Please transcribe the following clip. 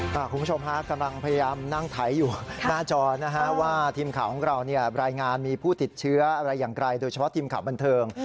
คุณผู้ชมฮะกำลังพยายามนั่งไถอยู่หน้าจอนะฮะว่าทีมข่าวของเราเนี่ยรายงานมีผู้ติดเชื้ออะไรอย่างไกลโดยเฉพาะทีมข่าวบันเทิง